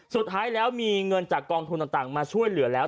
สุดท้ายแล้วมีเงินจากกองทุนต่างมาช่วยเหลือแล้ว